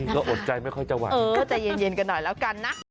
ก็อดใจไม่ค่อยจะไหวก็ใจเย็นกันหน่อยแล้วกันนะ